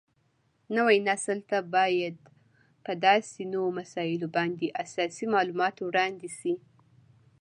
نوي نسل ته باید په داسې نوو مسایلو باندې اساسي معلومات وړاندې شي